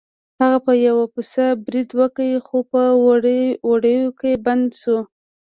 هغه په یو پسه برید وکړ خو په وړیو کې بند شو.